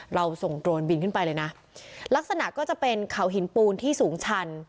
เราส่งโดรนบินขึ้นไปเลยนะลักษณะก็จะเป็นเขาหินปูนที่สูงชัน